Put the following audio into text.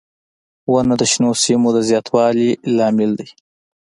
• ونه د شنو سیمو د زیاتوالي لامل دی.